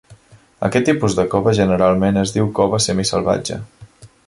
Aquest tipus de cova generalment es diu cova semisalvatge.